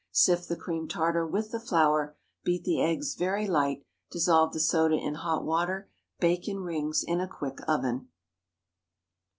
Sift the cream tartar with the flour. Beat the eggs very light. Dissolve the soda in hot water. Bake in rings in a quick oven.